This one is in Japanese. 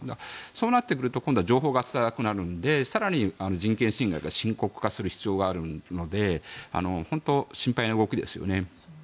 そうなってくると今度は情報が伝わらなくなるので更に人権侵害が深刻化する危険があるので本当、心配な動きですよね。